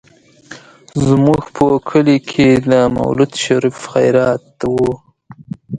زموږ په کلي کې د مولود شريف خيرات و.